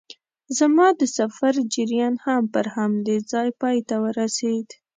زما د سفر جریان هم پر همدې ځای پای ته ورسېد.